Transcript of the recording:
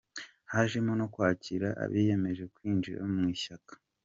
Hajemo no kwakira abiyemeje kwinjira mu ishyaka.